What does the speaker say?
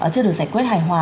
chưa được giải quyết hài hòa